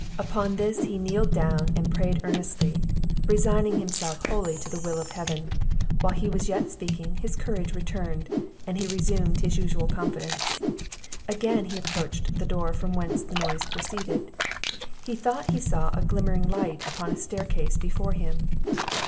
Upon this, he kneeled down and prayed earnestly, resigning himself wholly to the will of heaven; while he was yet speaking, his courage returned, and he resumed his usual confidence; again he approached the door from whence the noise proceeded; he thought he saw a glimmering light upon a staircase before him.